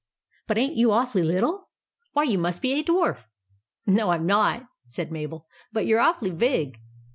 But ain't you awfully little ! Why you must be a dwarf !"" No, I 'm not !" said Mabel ;" but you 're awfully big.